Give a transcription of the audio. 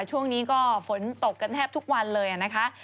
ช่วงนี้ก็ฝนตกกันแทบทุกวันเลยนะคะ